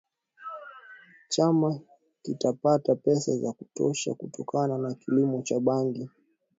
Chama kitapata pesa za kutosha kutokana na kilimo cha bangi